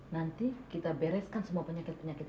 nanti kita bereskan semua penyakit penyakit